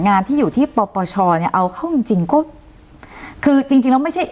งานที่อยู่ที่ปปชเนี่ยเอาเข้าจริงจริงก็คือจริงจริงแล้วไม่ใช่